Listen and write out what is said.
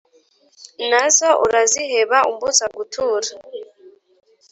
Nazo uraziheba umbuza gutura